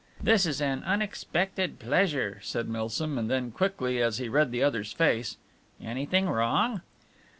"This is an unexpected pleasure," said Milsom, and then quickly, as he read the other's face: "Anything wrong?"